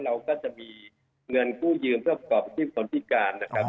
เราก็จะมีเงินกู้ยืมเพื่อประกอบอาชีพคนพิการนะครับ